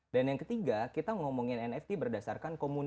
dan yang ketiga kita ngomongin nft berdasarkan keuntungan